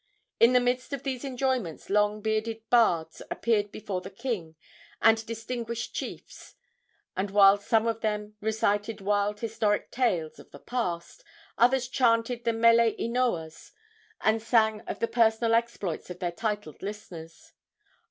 In the midst of these enjoyments long bearded bards appeared before the king and distinguished chiefs, and while some of them recited wild historic tales of the past, others chanted the mele inoas and sang of the personal exploits of their titled listeners.